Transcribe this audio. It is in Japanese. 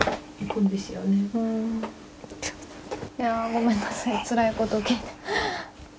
ごめんなさい、つらいことを聞いて。